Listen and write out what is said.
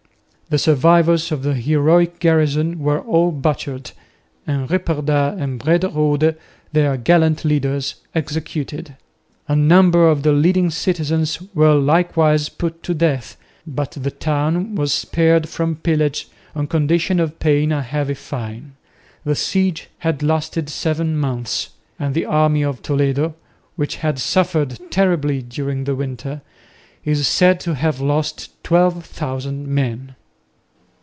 The survivors of the heroic garrison were all butchered, and Ripperda and Brederode, their gallant leaders, executed. A number of the leading citizens were likewise put to death, but the town was spared from pillage on condition of paying a heavy fine. The siege had lasted seven months, and the army of Toledo, which had suffered terribly during the winter, is said to have lost twelve thousand men.